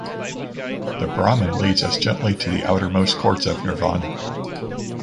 The Brahmin leads us gently to the outermost courts of Nirvana.